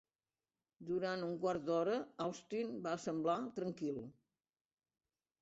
Durant un quart d'hora Austin va semblar tranquil.